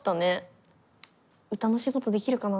歌の仕事できるかな？